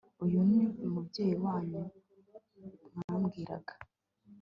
uyu ni umubyeyi wanyu mwambwiraga